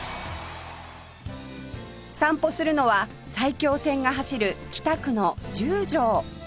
散歩するのは埼京線が走る北区の十条